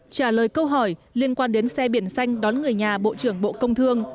trả lời câu hỏi liên quan đến xe biển xanh đón người nhà bộ trưởng bộ công thương